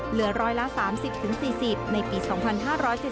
เหลือ๑๓๐๔๐บาทในปี๒๕๗๙บาท